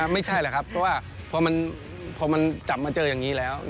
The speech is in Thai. ไม่ใช่แหละครับเพราะว่าพอมันจับมาเจออย่างนี้แล้ว